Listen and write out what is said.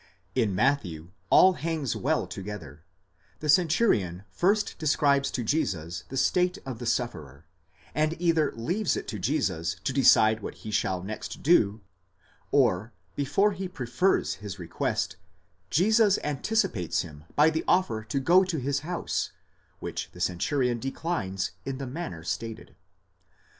In Matthew all hangs well together: the centurion first describes to Jesus the state of the sufferer, and either leaves it to Jesus to decide what he shall next do, or before he prefers his request Jesus anticipates him by the offer to go to his house, which the centurion declines in the manner stated.